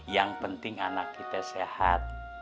yang penting anak kita sehat